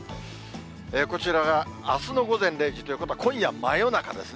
こちらが、あすの午前０時ということは、今夜、真夜中ですね。